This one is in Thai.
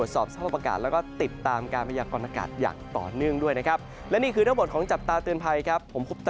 สวัสดีครับ